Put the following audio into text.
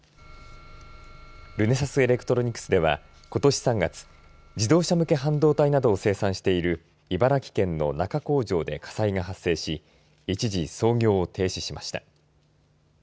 ルネサスエレクトロニクスではことし３月、自動車向け半導体などを生産している茨城県の那珂工場で火災が発生し一時操業を停止しました。